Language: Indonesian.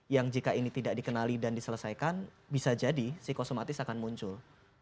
yang jika ini tidak dikenali dan diselesaikan bisa jadi psikosomatis akan muncul